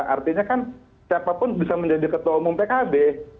artinya kan siapapun bisa menjadi ketua umum pkb